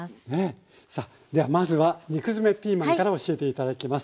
さあではまずは肉詰めピーマンから教えて頂きます。